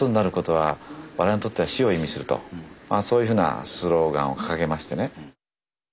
そういうふうなスローガンを掲げましてね。